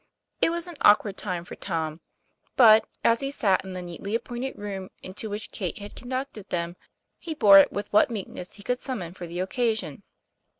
It was an awkward time for Tom. But, as he sat in the neatly appointed room into which Kate had conducted them, he bore it with what meekness he could summon for the occasion.